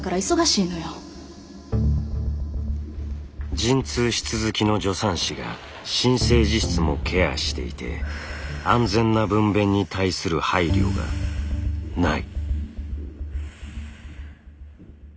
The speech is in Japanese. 陣痛室づきの助産師が新生児室もケアしていて安全な分娩に対する配慮がない。